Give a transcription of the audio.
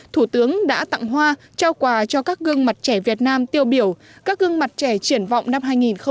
thủ tướng đã tặng hoa trao quà cho các gương mặt trẻ việt nam tiêu biểu các gương mặt trẻ triển vọng năm hai nghìn một mươi chín